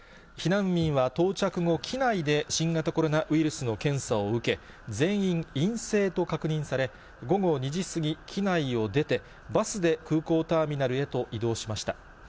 避難民は到着後、機内で新型コロナウイルスの検査を受け、全員、陰性と確認され、午後２時過ぎ、機内を出て、バスで空港ターミナルへと移動しました。